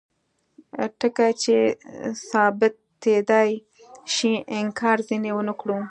ټکي چې ثابتیدای شي انکار ځینې ونکړو.